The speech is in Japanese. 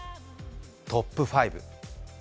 トップ５。